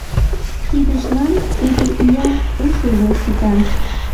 — Тидыжлан тиде иян ушыжо сита!